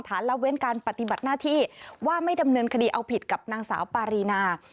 ละเว้นการปฏิบัติหน้าที่ว่าไม่ดำเนินคดีเอาผิดกับนางสาวปารีนา